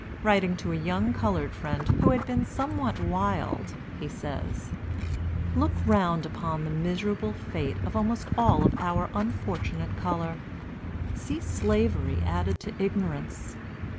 Writing to a young colored friend, who had been somewhat wild, he says: "Look round upon the miserable fate of almost all of our unfortunate color. See slavery added to ignorance.